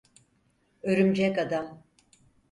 Örümcek Adam.